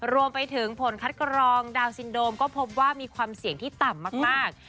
รวมไปถึงผลคัดกรองดาวนซินโดมก็พบว่ามีความเสี่ยงที่ต่ำมาก